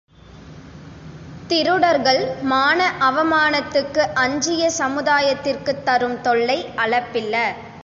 திருடர் கள் மான அவமானத்துக்கு அஞ்சிய சமுதாயத்திற்குத் தரும் தொல்லை அளப்பில.